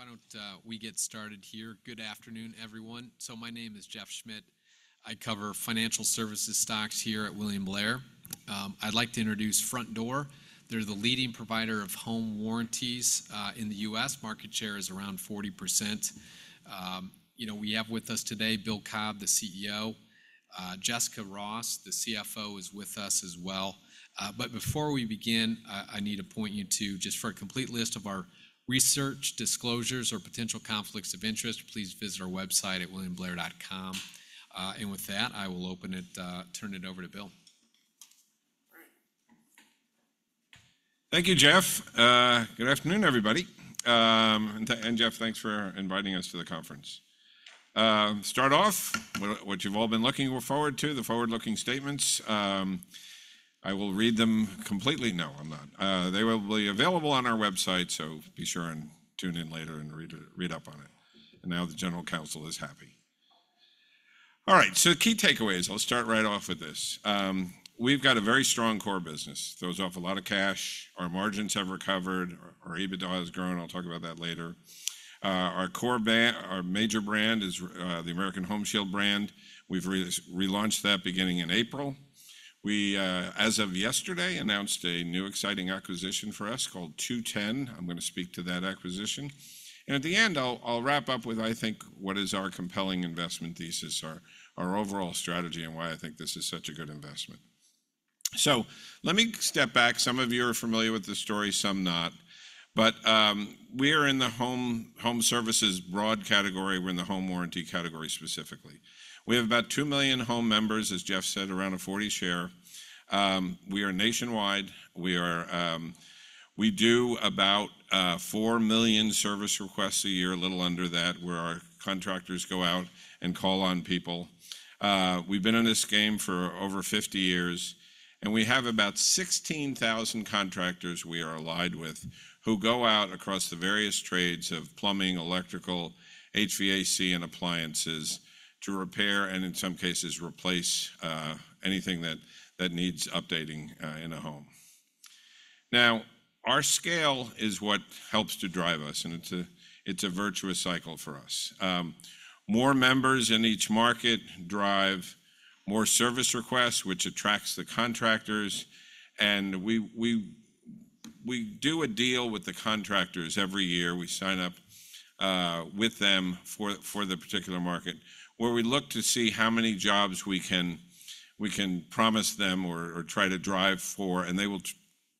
So why don't we get started here? Good afternoon, everyone. So my name is Jeff Schmitt. I cover financial services stocks here at William Blair. I'd like to introduce Frontdoor. They're the leading provider of home warranties in the U.S.. Market share is around 40%. You know, we have with us today Bill Cobb, the CEO. Jessica Ross, the CFO, is with us as well. But before we begin, I need to point you to just for a complete list of our research, disclosures, or potential conflicts of interest, please visit our website at williamblair.com. And with that, I will open it, turn it over to Bill. Thank you, Jeff. Good afternoon, everybody. And Jeff, thanks for inviting us to the conference. Start off with what you've all been looking forward to, the forward-looking statements. I will read them completely. No, I'm not. They will be available on our website, so be sure and tune in later and read up on it. Now the general counsel is happy. All right, so key takeaways, I'll start right off with this. We've got a very strong core business, throws off a lot of cash. Our margins have recovered, our EBITDA has grown. I'll talk about that later. Our core—our major brand is the American Home Shield brand. We've relaunched that beginning in April. We, as of yesterday, announced a new exciting acquisition for us called 2-10. I'm gonna speak to that acquisition. At the end, I'll wrap up with, I think, what is our compelling investment thesis, our overall strategy, and why I think this is such a good investment. So let me step back. Some of you are familiar with the story, some not. But we are in the home services broad category. We're in the home warranty category, specifically. We have about 2 million home members, as Jeff said, around a 40% share. We are nationwide. We do about 4 million service requests a year, a little under that, where our contractors go out and call on people. We've been in this game for over 50 years, and we have about 16,000 contractors we are allied with, who go out across the various trades of plumbing, electrical, HVAC, and appliances to repair and, in some cases, replace anything that needs updating in a home. Now, our scale is what helps to drive us, and it's a virtuous cycle for us. More members in each market drive more service requests, which attracts the contractors, and we do a deal with the contractors every year. We sign up with them for the particular market, where we look to see how many jobs we can promise them or try to drive for, and they will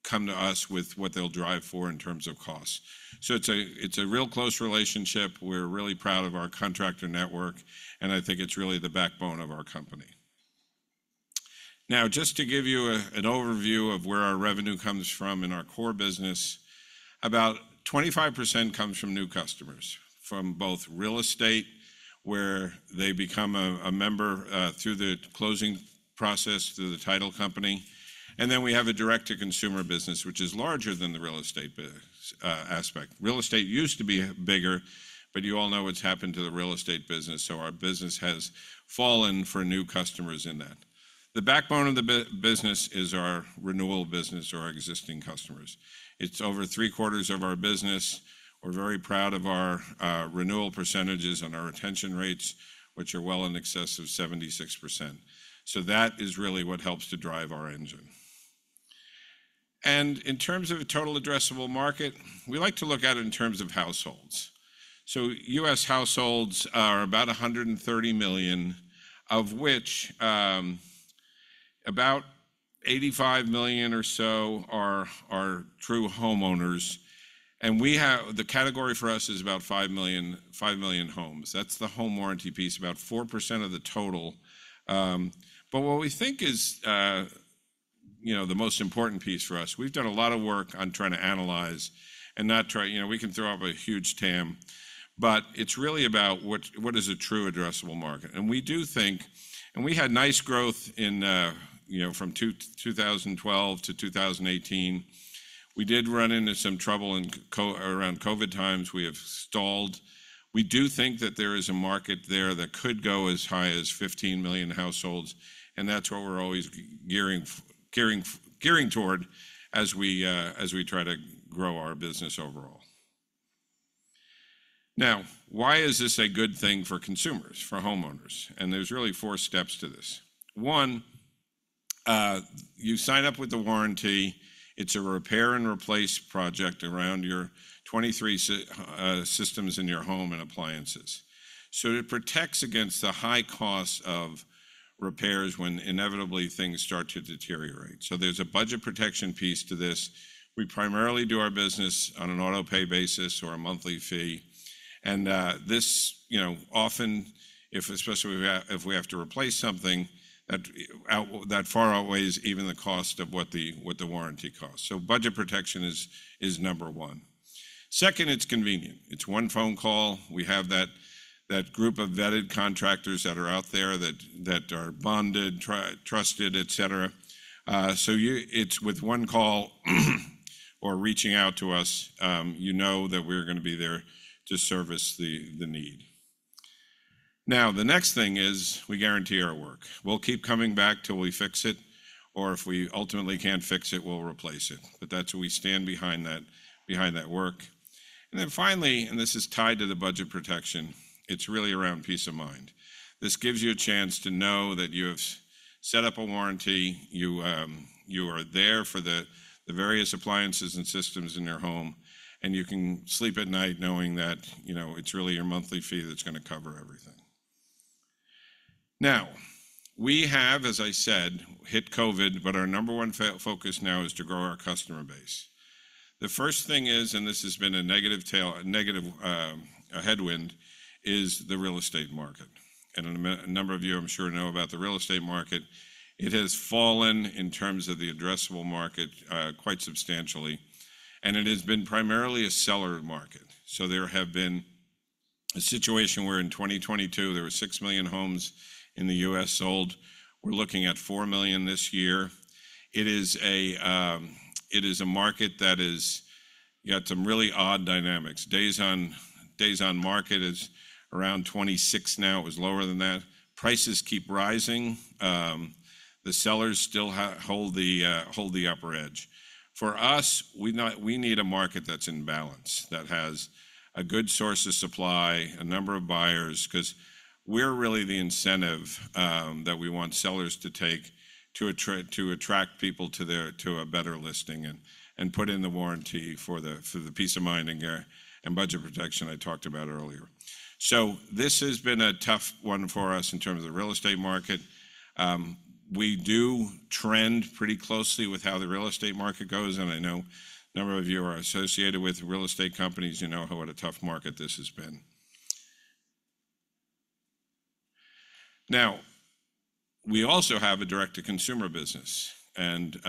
come to us with what they'll drive for in terms of cost. So it's a real close relationship. We're really proud of our contractor network, and I think it's really the backbone of our company. Now, just to give you an overview of where our revenue comes from in our core business, about 25% comes from new customers, from both real estate, where they become a member, through the closing process, through the title company. Then we have a direct-to-consumer business, which is larger than the real estate business aspect. Real estate used to be bigger, but you all know what's happened to the real estate business, so our business has fallen for new customers in that. The backbone of the business is our renewal business or our existing customers. It's over three-quarters of our business. We're very proud of our renewal percentages and our retention rates, which are well in excess of 76%. So that is really what helps to drive our engine. And in terms of the total addressable market, we like to look at it in terms of households. So U.S. households are about 130 million, of which about 85 million or so are true homeowners, and we have the category for us is about 5 million, 5 million homes. That's the home warranty piece, about 4% of the total. But what we think is, you know, the most important piece for us, we've done a lot of work on trying to analyze and not try. You know, we can throw up a huge TAM, but it's really about what is a true addressable market. And we do think. And we had nice growth in, you know, from 2012 to 2018. We did run into some trouble in around COVID times. We have stalled. We do think that there is a market there that could go as high as 15 million households, and that's what we're always gearing, gearing, gearing toward as we try to grow our business overall. Now, why is this a good thing for consumers, for homeowners? And there's really four steps to this. One, you sign up with the warranty. It's a repair and replace project around your 23 systems in your home and appliances. So it protects against the high cost of repairs when inevitably things start to deteriorate. So there's a budget protection piece to this. We primarily do our business on an auto-pay basis or a monthly fee. This, you know, often, if especially if we have to replace something, that far outweighs even the cost of what the warranty costs. So budget protection is number one. Second, it's convenient. It's one phone call. We have that group of vetted contractors that are out there, that are bonded, trusted, et cetera. So it's with one call, or reaching out to us, you know that we're gonna be there to service the need. Now, the next thing is we guarantee our work. We'll keep coming back till we fix it, or if we ultimately can't fix it, we'll replace it. But that's what we stand behind that work. And then finally, and this is tied to the budget protection, it's really around peace of mind. This gives you a chance to know that you have set up a warranty, you, you are there for the, the various appliances and systems in your home, and you can sleep at night knowing that, you know, it's really your monthly fee that's gonna cover everything. Now, we have, as I said, hit COVID, but our number one focus now is to grow our customer base. The first thing is, and this has been a negative, a headwind, is the real estate market. And a number of you, I'm sure, know about the real estate market. It has fallen in terms of the addressable market, quite substantially, and it has been primarily a seller market. So there have been a situation where in 2022, there were 6 million homes in the U.S. sold. We're looking at 4 million this year. It is a market that is... You got some really odd dynamics. Days on market is around 26 now. It was lower than that. Prices keep rising, the sellers still hold the upper edge. For us, we need a market that's in balance, that has a good source of supply, a number of buyers, 'cause we're really the incentive, that we want sellers to take to attract people to their, to a better listing and, and put in the warranty for the, for the peace of mind and, and budget protection I talked about earlier. So this has been a tough one for us in terms of the real estate market. We do trend pretty closely with how the real estate market goes, and I know a number of you are associated with real estate companies. You know what a tough market this has been. Now, we also have a direct-to-consumer business, and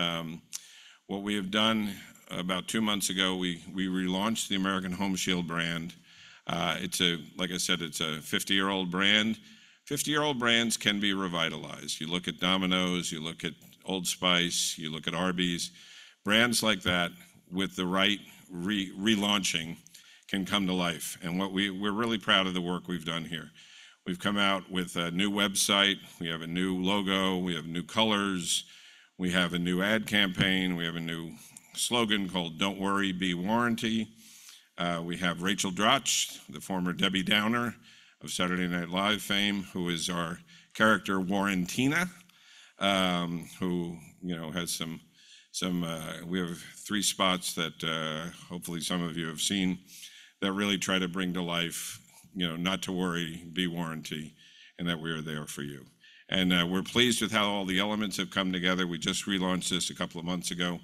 what we have done about two months ago, we relaunched the American Home Shield brand. Like I said, it's a 50-year-old brand. 50-year-old brands can be revitalized. You look at Domino's, you look at Old Spice, you look at Arby's. Brands like that, with the right relaunching, can come to life, and we're really proud of the work we've done here. We've come out with a new website. We have a new logo. We have new colors. We have a new ad campaign. We have a new slogan called "Don't Worry, Be Warranty." We have Rachel Dratch, the former Debbie Downer of Saturday Night Live fame, who is our character, Warrantina, who, you know, has some. We have three spots that, hopefully some of you have seen, that really try to bring to life, you know, not to worry, be warranty, and that we are there for you. We're pleased with how all the elements have come together. We just relaunched this a couple of months ago,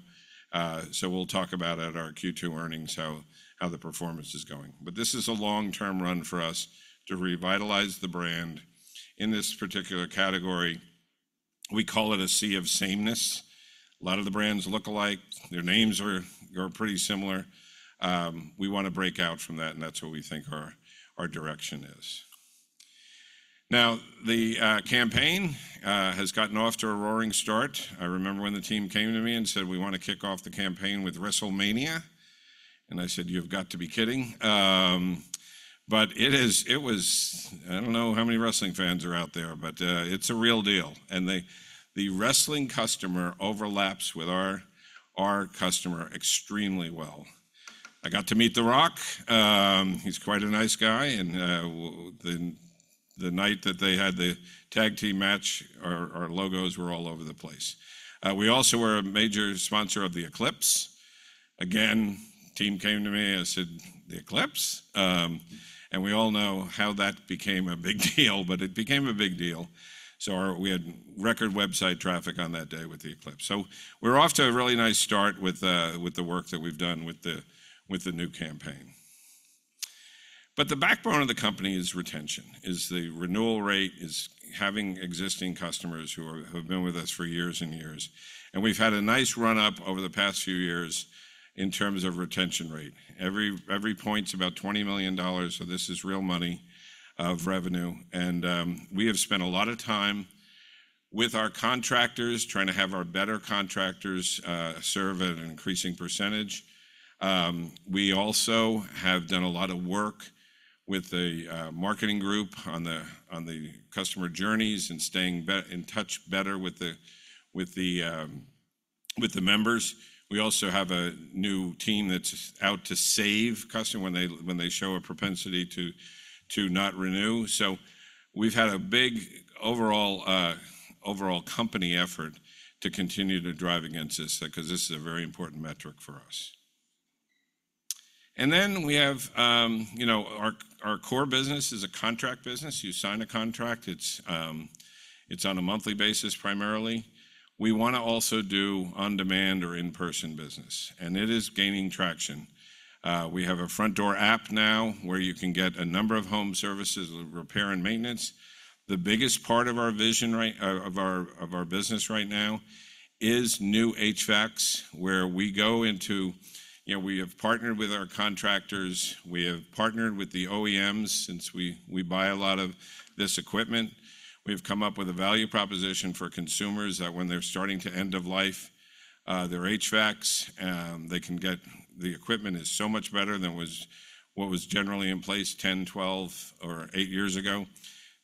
so we'll talk about at our Q2 earnings, how the performance is going. But this is a long-term run for us to revitalize the brand in this particular category. We call it a sea of sameness. A lot of the brands look alike. Their names are pretty similar. We wanna break out from that, and that's what we think our direction is. Now, the campaign has gotten off to a roaring start. I remember when the team came to me and said, "We want to kick off the campaign with WrestleMania," and I said, "You've got to be kidding." But it is. I don't know how many wrestling fans are out there, but it's a real deal, and the wrestling customer overlaps with our customer extremely well. I got to meet The Rock. He's quite a nice guy, and the night that they had the tag team match, our logos were all over the place. We also were a major sponsor of the Eclipse. Again, team came to me, and I said, "The Eclipse?" And we all know how that became a big deal, but it became a big deal. So we had record website traffic on that day with the Eclipse. So we're off to a really nice start with the work that we've done with the new campaign. But the backbone of the company is retention, is the renewal rate, is having existing customers who are, who have been with us for years and years. And we've had a nice run-up over the past few years in terms of retention rate. Every point's about $20 million, so this is real money of revenue, and we have spent a lot of time with our contractors, trying to have our better contractors serve at an increasing percentage. We also have done a lot of work with the marketing group on the customer journeys and staying in touch better with the members. We also have a new team that's out to save customer when they show a propensity to not renew. So we've had a big overall company effort to continue to drive against this, 'cause this is a very important metric for us. And then we have, you know, our core business is a contract business. You sign a contract, it's on a monthly basis, primarily. We wanna also do on-demand or in-person business, and it is gaining traction. We have a Frontdoor app now, where you can get a number of home services, repair and maintenance. The biggest part of our vision right of our business right now is new HVACs, where we go into. You know, we have partnered with our contractors, we have partnered with the OEMs, since we buy a lot of this equipment. We've come up with a value proposition for consumers that when they're starting to end of life their HVACs, they can get the equipment is so much better than what was generally in place 10, 12, or eight years ago.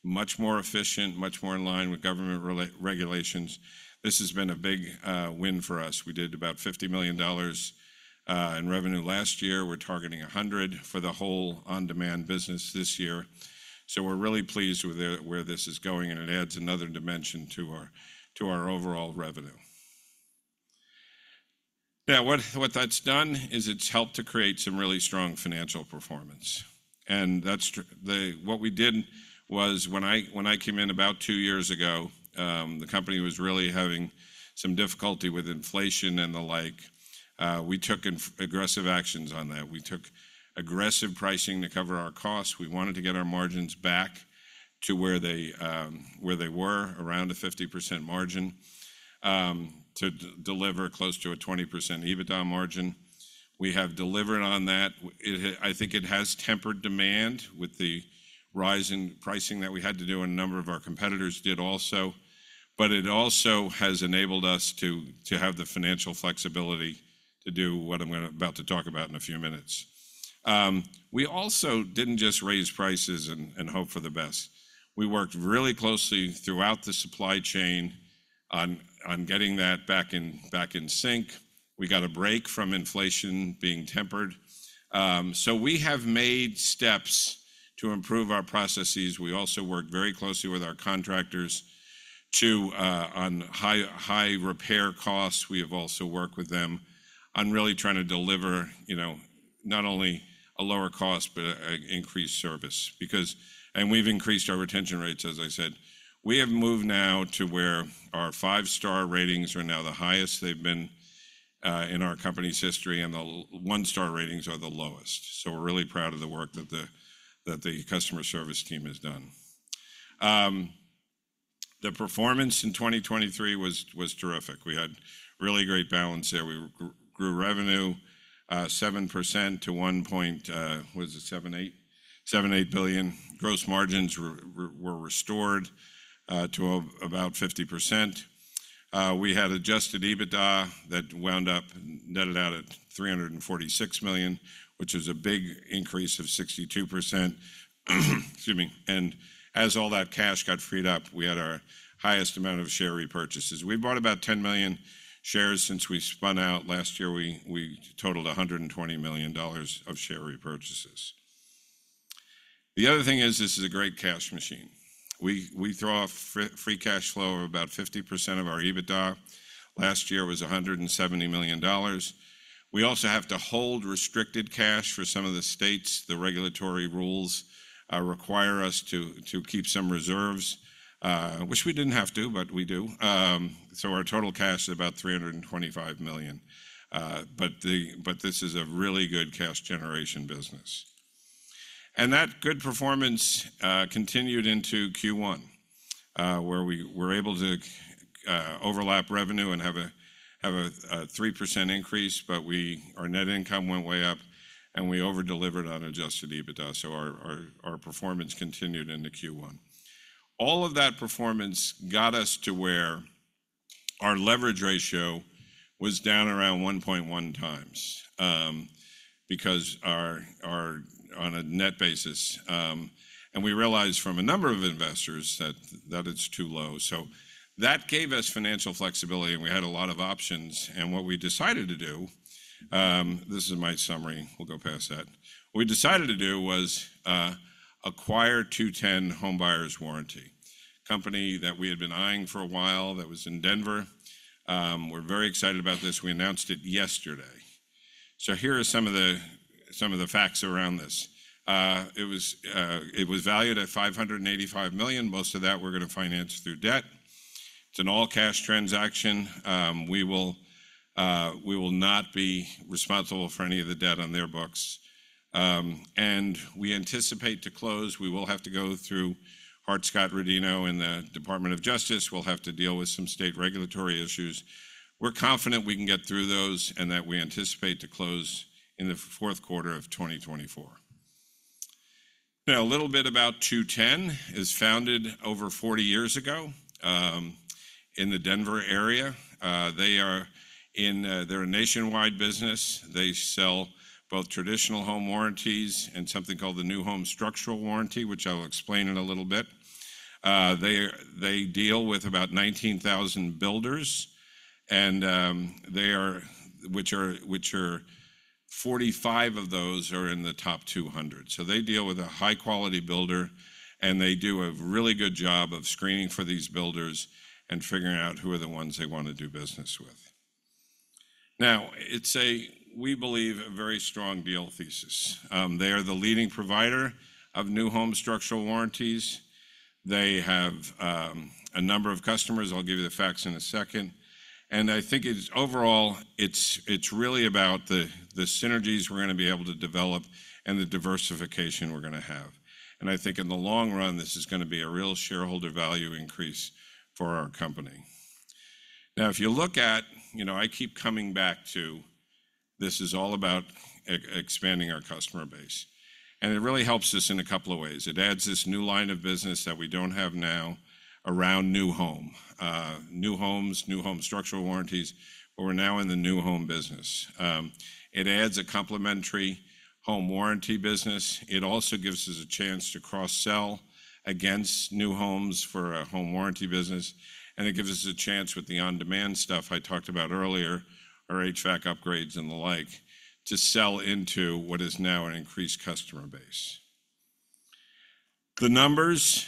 Much more efficient, much more in line with government regulations. This has been a big win for us. We did about $50 million in revenue last year. We're targeting $100 million for the whole on-demand business this year. So we're really pleased with where this is going, and it adds another dimension to our overall revenue. Now, what that's done is it's helped to create some really strong financial performance, and that's what we did was when I came in about two years ago, the company was really having some difficulty with inflation and the like. We took aggressive actions on that. We took aggressive pricing to cover our costs. We wanted to get our margins back to where they were, around a 50% margin, to deliver close to a 20% EBITDA margin. We have delivered on that. I think it has tempered demand with the rise in pricing that we had to do, and a number of our competitors did also. But it also has enabled us to have the financial flexibility to do what I'm about to talk about in a few minutes. We also didn't just raise prices and hope for the best. We worked really closely throughout the supply chain on getting that back in sync. We got a break from inflation being tempered. So we have made steps to improve our processes. We also worked very closely with our contractors on high repair costs. We have also worked with them on really trying to deliver, you know, not only a lower cost, but a increased service. Because and we've increased our retention rates, as I said. We have moved now to where our five-star ratings are now the highest they've been in our company's history, and the one-star ratings are the lowest. So we're really proud of the work that the, that the customer service team has done. The performance in 2023 was terrific. We had really great balance there. We grew revenue 7% to $1.78 billion. Gross margins were restored to about 50%. We had adjusted EBITDA that wound up netted out at $346 million, which is a big increase of 62%. Excuse me. And as all that cash got freed up, we had our highest amount of share repurchases. We bought about 10 million shares since we spun out. Last year, we totaled $120 million of share repurchases. The other thing is, this is a great cash machine. We throw off free cash flow of about 50% of our EBITDA. Last year, it was $170 million. We also have to hold restricted cash for some of the states. The regulatory rules require us to keep some reserves, which we didn't have to, but we do. So our total cash is about $325 million. But this is a really good cash generation business. And that good performance continued into Q1, where we were able to overlap revenue and have a 3% increase, but we—our net income went way up, and we over-delivered on adjusted EBITDA, so our performance continued into Q1. All of that performance got us to where our leverage ratio was down around 1.1 times, because our on a net basis. We realized from a number of investors that it's too low. That gave us financial flexibility, and we had a lot of options, and what we decided to do, this is my summary, we'll go past that. What we decided to do was acquire 2-10 Home Buyers Warranty, company that we had been eyeing for a while, that was in Denver. We're very excited about this. We announced it yesterday. Here are some of the facts around this. It was valued at $585 million. Most of that, we're gonna finance through debt. It's an all-cash transaction. We will not be responsible for any of the debt on their books. We anticipate to close. We will have to go through Hart-Scott-Rodino in the Department of Justice. We'll have to deal with some state regulatory issues. We're confident we can get through those and that we anticipate to close in the fourth quarter of 2024. Now, a little bit about 2-10. It was founded over 40 years ago in the Denver area. They're a nationwide business. They sell both traditional home warranties and something called the new home structural warranty, which I'll explain in a little bit. They deal with about 19,000 builders, and 45 of those are in the top 200. So they deal with a high-quality builder, and they do a really good job of screening for these builders and figuring out who are the ones they want to do business with. Now, it's a, we believe, a very strong deal thesis. They are the leading provider of new home structural warranties. They have a number of customers. I'll give you the facts in a second. And I think it's, overall, really about the synergies we're gonna be able to develop and the diversification we're gonna have. And I think in the long run, this is gonna be a real shareholder value increase for our company. Now, if you look at, you know, I keep coming back to, this is all about expanding our customer base, and it really helps us in a couple of ways. It adds this new line of business that we don't have now around new home. New homes, new home structural warranties, but we're now in the new home business. It adds a complementary home warranty business. It also gives us a chance to cross-sell against new homes for a home warranty business, and it gives us a chance with the on-demand stuff I talked about earlier, our HVAC upgrades and the like, to sell into what is now an increased customer base. The numbers,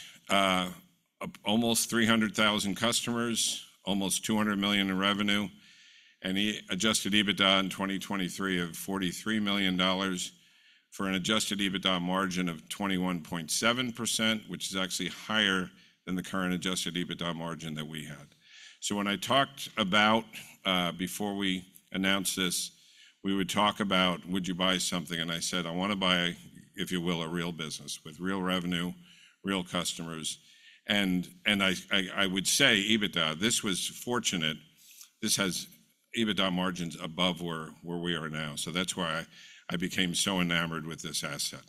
almost 300,000 customers, almost $200 million in revenue, and adjusted EBITDA in 2023 of $43 million for an adjusted EBITDA margin of 21.7%, which is actually higher than the current adjusted EBITDA margin that we had. So when I talked about, before we announced this, we would talk about: would you buy something? And I said: I want to buy, if you will, a real business with real revenue, real customers. And I would say EBITDA, this was fortunate. This has EBITDA margins above where we are now. So that's why I became so enamored with this asset.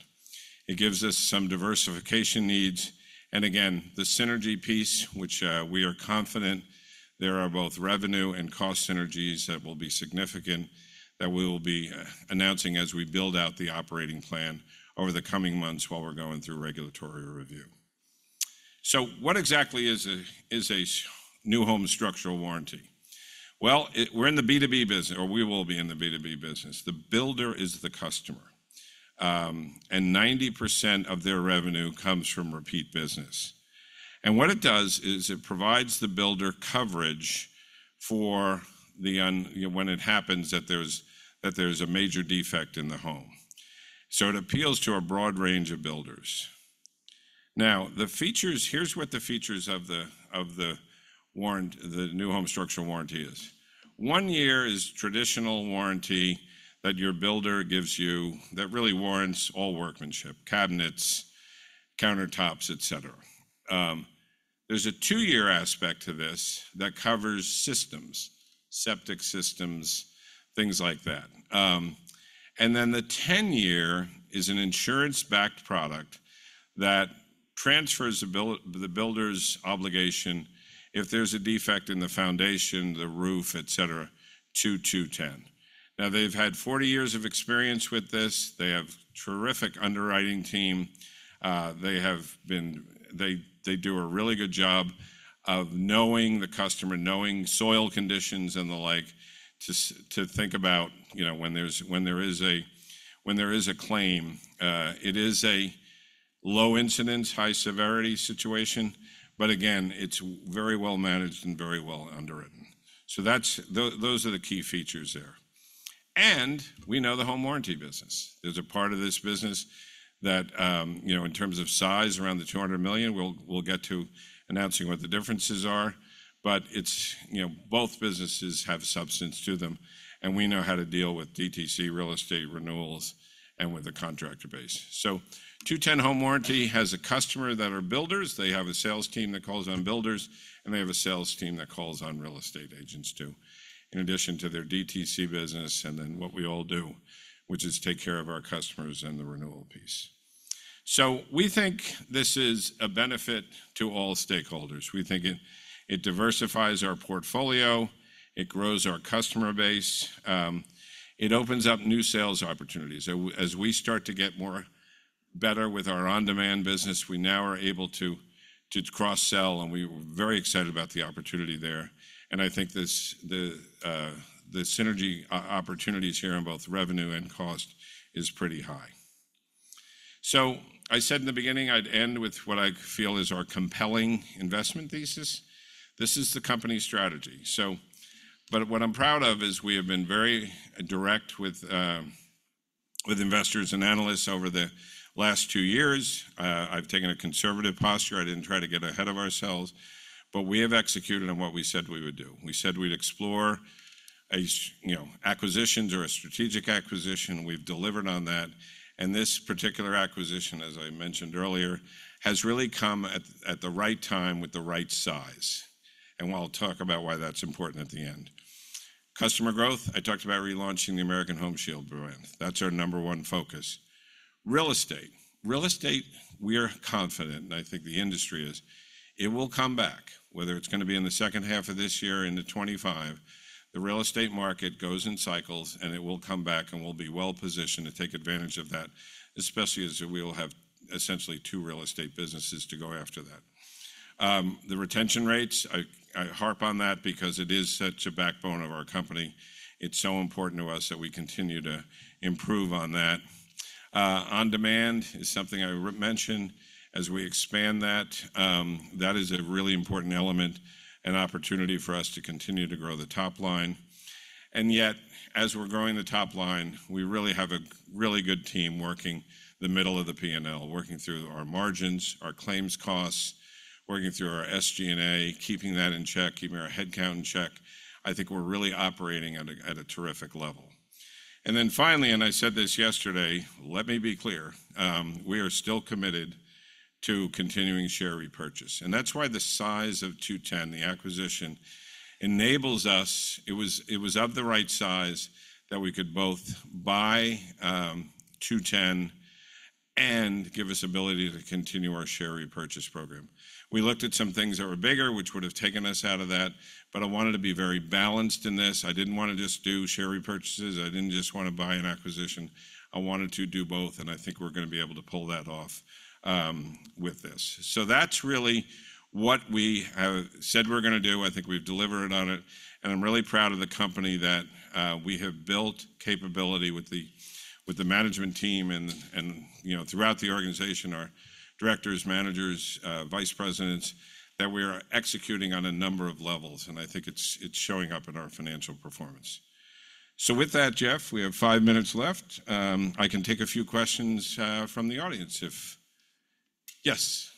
It gives us some diversification needs, and again, the synergy piece, which we are confident there are both revenue and cost synergies that will be significant, that we will be announcing as we build out the operating plan over the coming months while we're going through regulatory review. So what exactly is a new home structural warranty? Well, it. We're in the B2B business, or we will be in the B2B business. The builder is the customer, and 90% of their revenue comes from repeat business. What it does is it provides the builder coverage for, you know, when it happens that there's a major defect in the home. So it appeals to a broad range of builders. Now, the features, here's what the features of the new home structural warranty is. One year is traditional warranty that your builder gives you that really warrants all workmanship, cabinets, countertops, et cetera. There's a two-year aspect to this that covers systems, septic systems, things like that. And then the 10-year is an insurance-backed product that transfers the builder's obligation if there's a defect in the foundation, the roof, et cetera, to 2-10. Now, they've had 40 years of experience with this. They have terrific underwriting team. They have been. They do a really good job of knowing the customer, knowing soil conditions and the like, to think about, you know, when there's, when there is a, when there is a claim. It is a low-incidence, high-severity situation, but again, it's very well managed and very well underwritten. So that's those are the key features there. We know the home warranty business. There's a part of this business that, you know, in terms of size, around the $200 million, we'll get to announcing what the differences are. But it's, you know, both businesses have substance to them, and we know how to deal with DTC real estate renewals and with the contractor base. So 2-10 Home Buyers Warranty has a customer that are builders. They have a sales team that calls on builders, and they have a sales team that calls on real estate agents, too, in addition to their DTC business and then what we all do, which is take care of our customers and the renewal piece. So we think this is a benefit to all stakeholders. We think it diversifies our portfolio, it grows our customer base, it opens up new sales opportunities. So as we start to get more better with our on-demand business, we now are able to cross-sell, and we're very excited about the opportunity there. And I think the synergy opportunities here on both revenue and cost is pretty high. So I said in the beginning, I'd end with what I feel is our compelling investment thesis. This is the company strategy. But what I'm proud of is we have been very direct with, with investors and analysts over the last two years. I've taken a conservative posture. I didn't try to get ahead of ourselves, but we have executed on what we said we would do. We said we'd explore you know, acquisitions or a strategic acquisition. We've delivered on that. And this particular acquisition, as I mentioned earlier, has really come at, at the right time with the right size. And we'll talk about why that's important at the end. Customer growth, I talked about relaunching the American Home Shield brand. That's our number one focus. Real estate. Real estate, we are confident, and I think the industry is, it will come back, whether it's going to be in the second half of this year into 2025. The real estate market goes in cycles, and it will come back, and we'll be well-positioned to take advantage of that, especially as we will have essentially two real estate businesses to go after that. The retention rates, I harp on that because it is such a backbone of our company. It's so important to us that we continue to improve on that. On-demand is something I mentioned as we expand that, that is a really important element and opportunity for us to continue to grow the top line. And yet, as we're growing the top line, we really have a really good team working the middle of the P&L, working through our margins, our claims costs, working through our SG&A, keeping that in check, keeping our headcount in check. I think we're really operating at a terrific level... Then finally, and I said this yesterday, let me be clear, we are still committed to continuing share repurchase. And that's why the size of 2-10, the acquisition, enables us. It was of the right size that we could both buy 2-10 and give us ability to continue our share repurchase program. We looked at some things that were bigger, which would have taken us out of that, but I wanted to be very balanced in this. I didn't want to just do share repurchases. I didn't just want to buy an acquisition. I wanted to do both, and I think we're going to be able to pull that off with this. So that's really what we have said we're going to do. I think we've delivered on it, and I'm really proud of the company that we have built capability with the management team and you know throughout the organization, our directors, managers, vice presidents, that we are executing on a number of levels, and I think it's showing up in our financial performance. So with that, Jeff, we have five minutes left. I can take a few questions from the audience if... Yes?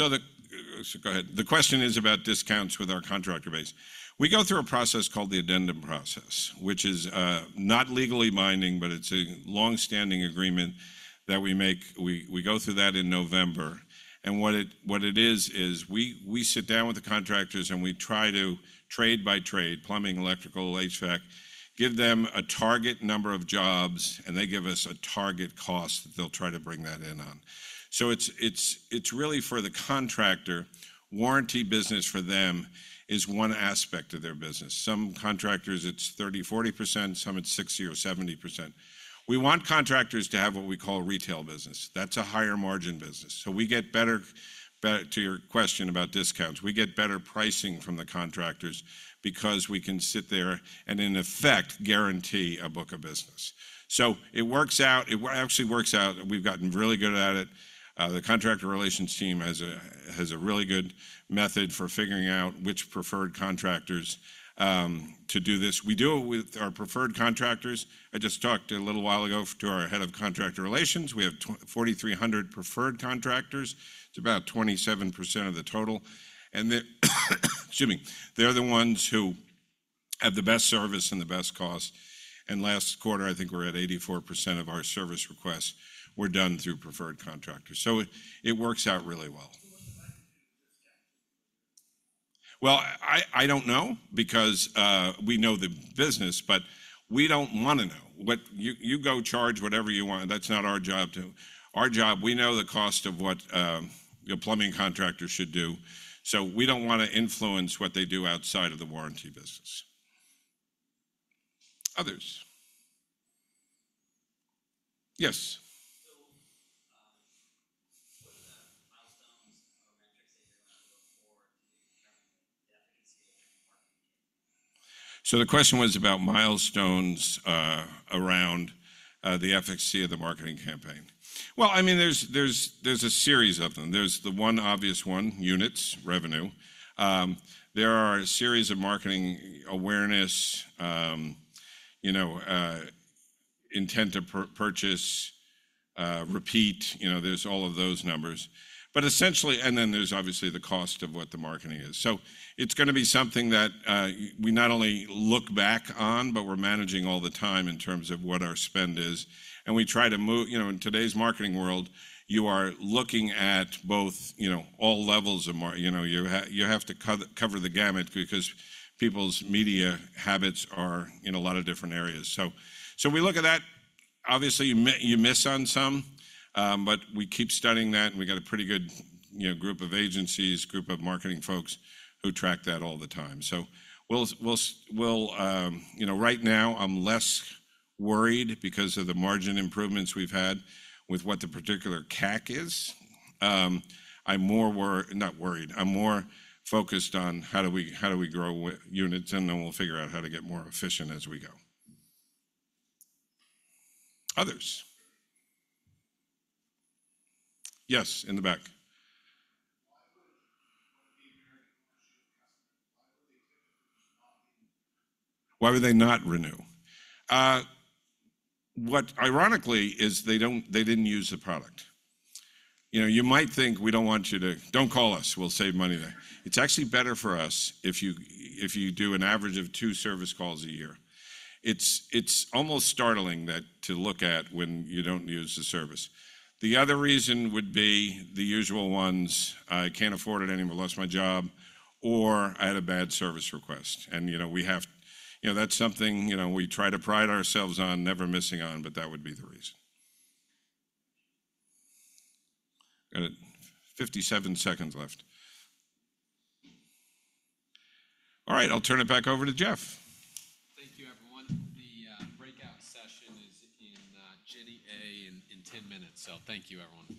The question is about discounts with our contractor base. We go through a process called the addendum process, which is not legally binding, but it's a long-standing agreement that we make. We go through that in November. What it is, is we sit down with the contractors, and we try to trade by trade, plumbing, electrical, HVAC, give them a target number of jobs, and they give us a target cost that they'll try to bring that in on. So it's really for the contractor. Warranty business for them is one aspect of their business. Some contractors, it's 30, 40%. Some, it's 60 or 70%. We want contractors to have what we call retail business. That's a higher margin business. So we get better-- To your question about discounts, we get better pricing from the contractors because we can sit there and, in effect, guarantee a book of business. So it works out. It actually works out, and we've gotten really good at it. The Contractor Relations team has a really good method for figuring out which preferred contractors to do this. We do it with our preferred contractors. I just talked a little while ago to our Head of Contractor Relations. We have 4,300 preferred contractors. It's about 27% of the total. And the, excuse me, they're the ones who have the best service and the best cost. And last quarter, I think we're at 84% of our service requests were done through preferred contractors. So it, it works out really well. Well, I don't know because we know the business, but we don't want to know. What-- You go charge whatever you want. That's not our job to... Our job, we know the cost of what a plumbing contractor should do, so we don't want to influence what they do outside of the warranty business. Others? Yes. So the question was about milestones around the efficacy of the marketing campaign. Well, I mean, there's a series of them. There's the one obvious one, units, revenue. There are a series of marketing awareness, you know, intent to purchase, repeat, you know, there's all of those numbers. But essentially, and then there's obviously the cost of what the marketing is. So it's going to be something that we not only look back on, but we're managing all the time in terms of what our spend is, and we try to move. You know, in today's marketing world, you are looking at both, you know, all levels of marketing. You know, you have to cover the gamut because people's media habits are in a lot of different areas. So we look at that. Obviously, you miss on some, but we keep studying that, and we got a pretty good, you know, group of agencies, group of marketing folks who track that all the time. So we'll... You know, right now, I'm less worried because of the margin improvements we've had with what the particular CAC is. I'm more not worried. I'm more focused on how do we, how do we grow units, and then we'll figure out how to get more efficient as we go. Others? Yes, in the back. Why would they not renew? What ironically is they don't, they didn't use the product. You know, you might think we don't want you to, "Don't call us. We'll save money there." It's actually better for us if you, if you do an average of two service calls a year. It's, it's almost startling that, to look at when you don't use the service. The other reason would be the usual ones: "I can't afford it anymore, lost my job," or, "I had a bad service request." And, you know, that's something, you know, we try to pride ourselves on never missing on, but that would be the reason. Got 57 seconds left. All right, I'll turn it back over to Jeff. Thank you, everyone. The breakout session is in Jenner A in 10 minutes. Thank you, everyone.